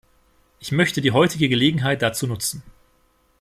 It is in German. Ich möchte die heutige Gelegenheit dazu nutzen.